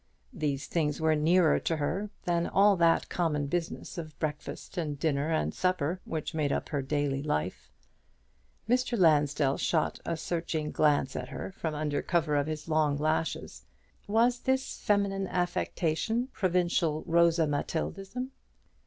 These things were nearer to her than all that common business of breakfast and dinner and supper which made up her daily life. Mr. Lansdell shot a searching glance at her from under cover of his long lashes. Was this feminine affectation, provincial Rosa Matilda ism?